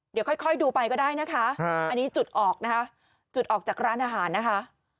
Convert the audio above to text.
เดี๋ยวค่อยดูไปก็ได้นะคะอันนี้จุดออกนะคะจุดออกจากร้านอาหารนะคะ